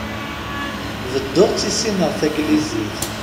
Bedduɣ ttissineɣ tagnizit.